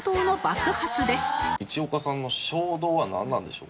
一岡さんの衝動はなんなんでしょう？